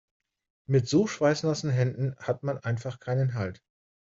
Mit so schweißnassen Händen hat man einfach keinen Halt.